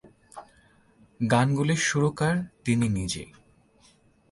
গানগুলির সুরকার তিনি নিজেই।